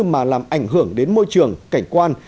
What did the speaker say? mà làm ảnh hưởng đến môi trường cảnh quan